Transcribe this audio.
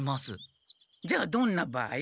じゃあどんな場合？